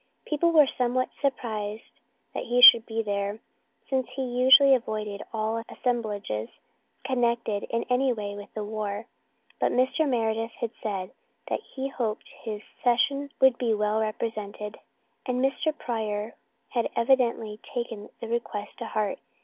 People were somewhat surprised that he should be there, since he usually avoided all assemblages connected in any way with the war. But Mr. Meredith had said that he hoped his session would be well represented, and Mr. Pryor had evidently taken the request to heart.